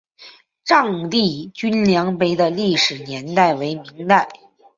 丈地均粮碑的历史年代为明代。